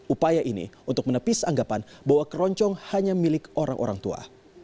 upaya ini untuk menepis anggapan bahwa keroncong hanya milik orang orang tua